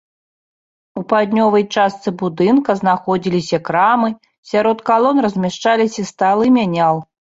У паўднёвай частцы будынка знаходзіліся крамы, сярод калон размяшчаліся сталы мянял.